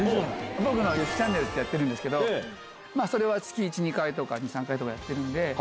僕のＹＯＳＨＩＫＩＣＨＡＮＮＥＬってやってるんですけど、それは月１、２回とか、２、３回とかやってるんで。